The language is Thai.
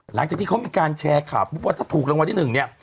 หลังจากที่เขามีการแชร์ข่าวว่าถ้าถูกละวันนี่นึงเนี่ย